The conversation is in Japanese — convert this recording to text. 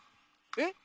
えっ。